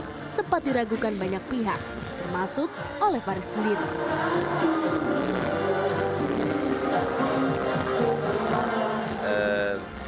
sebelumnya musisi ini sempat diragukan banyak pihak termasuk oleh faris sendiri